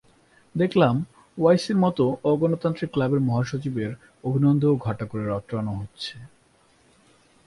দেখলাম ওআইসির মতো অগণতান্ত্রিক ক্লাবের মহাসচিবের অভিনন্দনও ঘটা করে রটানো হচ্ছে।